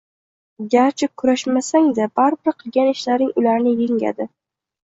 Garchi kurashmasang-da, baribir qilgan ishlaring ularni yengadi!..